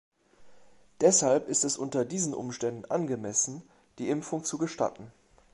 Deshalb ist es unter diesen Umständen angemessen, die Impfung zu gestatten.